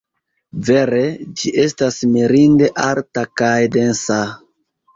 Vere, ĝi estas mirinde alta kaj densa.